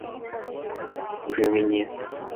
瑞维涅。